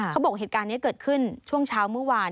เขาบอกเหตุการณ์นี้เกิดขึ้นช่วงเช้าเมื่อวาน